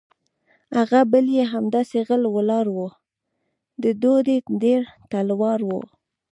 هغه بل یې همداسې غلی ولاړ و، د دوی ډېر تلوار و.